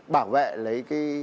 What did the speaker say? bảo vệ lấy cái